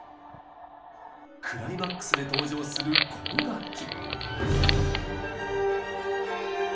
クライマックスで登場するこの楽器。